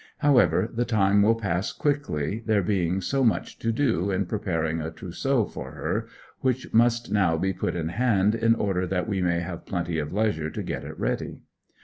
However, the time will pass quickly, there being so much to do in preparing a trousseau for her, which must now be put in hand in order that we may have plenty of leisure to get it ready.